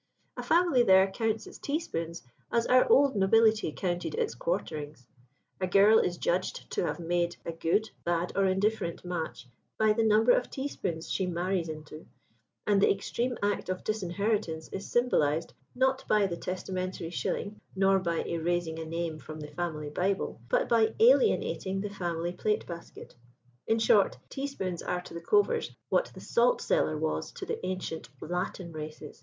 A family there counts its teaspoons as our old nobility counted its quarterings; a girl is judged to have made a good, bad, or indifferent match by the number of teaspoons she 'marries into'; and the extreme act of disinheritance is symbolised, not by the testamentary shilling, nor by erasing a name from the Family Bible, but by alienating the family plate basket. In short, teaspoons are to the Covers what the salt cellar was to the ancient Latin races.